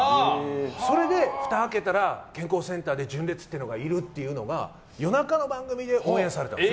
それで、ふたを開けたら健康センターで純烈というのがいるというのが夜中の番組でオンエアされたんです。